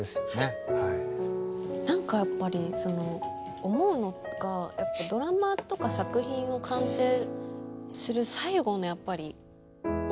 何かやっぱり思うのがやっぱドラマとか作品を完成する最後のやっぱり。